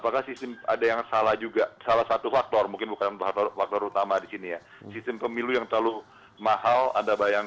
kita tidak main main lain